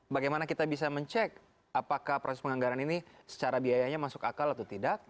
bagaimana kita bisa mencek apakah proses penganggaran ini secara biayanya masuk akal atau tidak